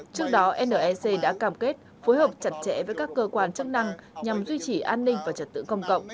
trước đó nec đã cam kết phối hợp chặt chẽ với các cơ quan chức năng nhằm duy trì an ninh và trật tự công cộng